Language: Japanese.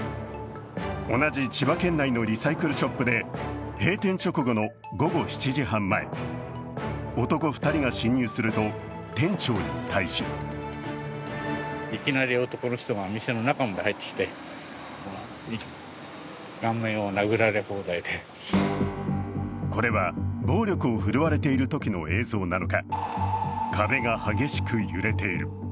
同じ千葉県内のリサイクルショップで閉店直後の午後７時半前、男２人が侵入すると店長に対しこれは暴力を振るわれているときの映像なのか、壁が激しく揺れている。